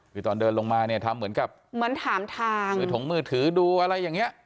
คือตอนเดินลงมาเนี่ยทำเหมือนกับเหมือนถามทางมือถงมือถือดูอะไรอย่างเงี้ย